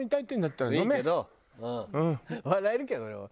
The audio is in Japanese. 笑えるけどでも。